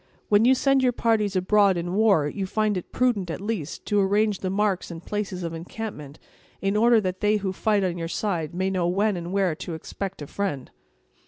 "When you send your parties abroad in war, you find it prudent, at least, to arrange the marks and places of encampment, in order that they who fight on your side may know when and where to expect a friend."